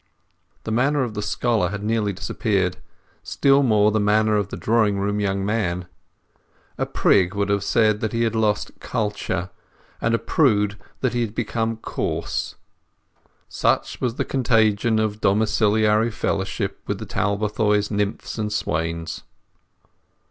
The manner of the scholar had nearly disappeared; still more the manner of the drawing room young man. A prig would have said that he had lost culture, and a prude that he had become coarse. Such was the contagion of domiciliary fellowship with the Talbothays nymphs and swains.